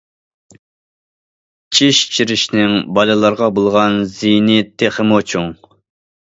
چىش چىرىشنىڭ بالىلارغا بولغان زىيىنى تېخىمۇ چوڭ.